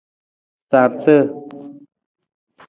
Sarta.